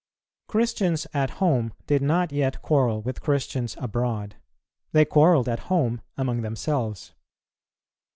Christians at home did not yet quarrel with Christians abroad; they quarrelled at home among themselves.